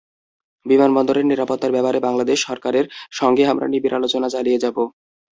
বিমানবন্দরের নিরাপত্তার ব্যাপারে বাংলাদেশ সরকারের সঙ্গে আমরা নিবিড় আলোচনা চালিয়ে যাব।